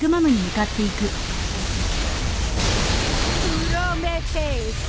プロメテウス。